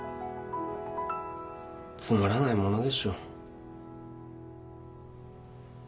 つまらないものでしょ。